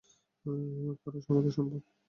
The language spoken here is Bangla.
পারাসু আমাদের সম্পদ।